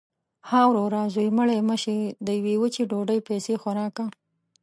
– ها وروره! زوی مړی مه شې. د یوې وچې ډوډۍ پیسې خو راکه.